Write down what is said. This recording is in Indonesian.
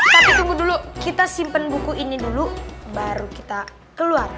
tapi tunggu dulu kita simpan buku ini dulu baru kita keluar